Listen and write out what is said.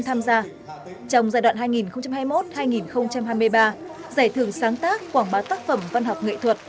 trong giai đoạn hai nghìn hai mươi một hai nghìn hai mươi ba giải thưởng sáng tác quảng bá tác phẩm văn học nghệ thuật